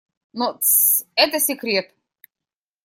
Но... Тссс! - это секрет!